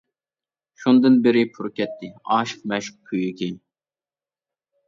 شۇندىن بېرى پۇر كەتتى، ئاشىق-مەشۇق كۆيۈكى.